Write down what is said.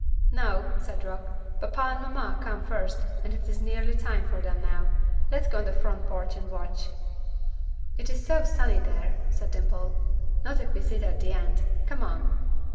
"No," said Rock, "papa and mamma come first, and it is nearly time for them now; let's go on the front porch and watch." "It is so sunny there," said Dimple. "Not if we sit at the end. Come on."